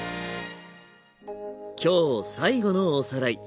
今日最後のおさらい。